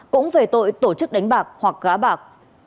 cũng về tội tổ chức đánh bạc hoặc gá bạc